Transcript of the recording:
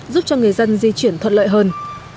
giúp cho người dân di chuyển thuận lợi hơn